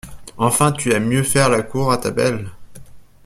Enfin, tu aimes mieux faire la cour à ta belle!